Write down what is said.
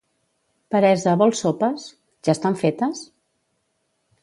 —Peresa, vols sopes? —Ja estan fetes?